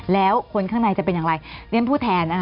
แล้วคนข้างในจะเป็นอย่างไรเรียนพูดแทนนะคะ